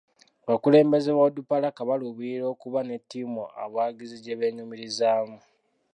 Abakulembeze ba Onduparaka baluubirira okuba ne ttiimu abawagizi gye beenyumirizaamu.